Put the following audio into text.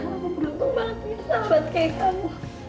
aku beruntung banget punya sahabat kayak kamu